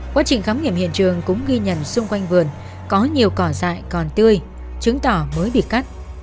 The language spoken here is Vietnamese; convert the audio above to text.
quá trình khám nghiệm hiện trường cũng ghi nhận xung quanh vườn có nhiều cỏ dại còn tươi chứng tỏ mới bị cắt